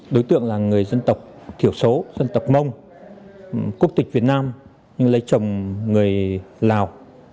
đối tượng là người dân tộc thiểu số dân tộc mông quốc tịch việt nam nhưng lấy chồng người lào